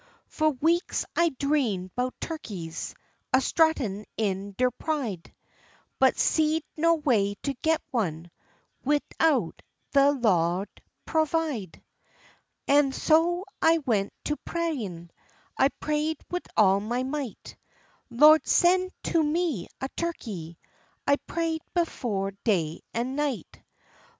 Fu' weeks I dreamed 'bout turkeys, a struttin' in der pride; But seed no way to get one widout de Lawd pervide. An' so I went to prayin', I pray'd wid all my might; "Lawd, sen' to me a turkey." I pray'd bofe day an' night.